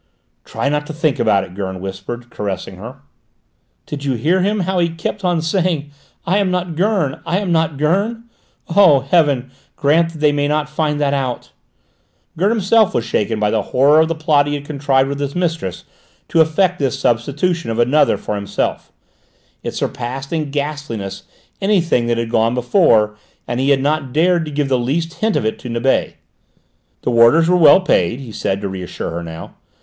"Try not to think about it," Gurn whispered, caressing her. "Did you hear him, how he kept on saying 'I am not Gurn! I am not Gurn!' Oh, heaven grant they may not find that out!" Gurn himself was shaken by the horror of the plot he had contrived with his mistress to effect this substitution of another for himself; it surpassed in ghastliness anything that had gone before, and he had not dared to give the least hint of it to Nibet. "The warders were well paid," he said to reassure her now.